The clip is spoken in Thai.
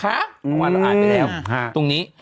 เพราะว่าเราอ่านไปแล้วตรงนี้